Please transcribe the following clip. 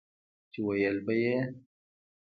چې وييل به يې